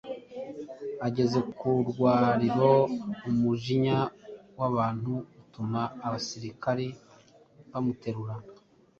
Ageze ku rwuririro, umujinya w’abantu utuma abasirikari bamuterura;